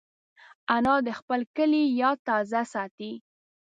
انا د خپل کلي یاد تازه ساتي